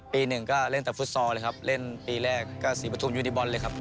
หนึ่งก็เล่นแต่ฟุตซอลเลยครับเล่นปีแรกก็ศรีปฐุมยูนิบอลเลยครับ